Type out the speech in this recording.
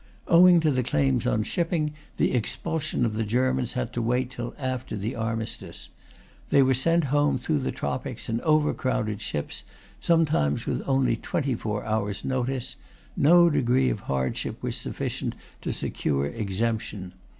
Owing to the claims on shipping, the expulsion of the Germans had to wait till after the Armistice. They were sent home through the Tropics in overcrowded ships, sometimes with only 24 hours' notice; no degree of hardship was sufficient to secure exemption.